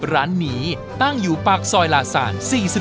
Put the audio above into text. ร้านนี้ตั้งอยู่ปากซอยลาศาล๔๔